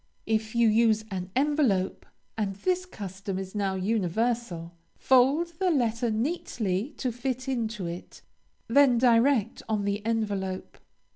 If you use an envelope, and this custom is now universal, fold your letter neatly to fit into it; then direct on the envelope.